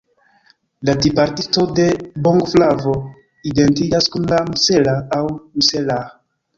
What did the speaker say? La tipa artisto de bongoflavo identiĝas kun la "msela" aŭ "mselah".